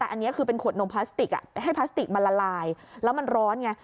แต่อันนี้คือเป็นขวดนมพลาสติกให้พลาสติกมันละลายแล้วมันร้อนไง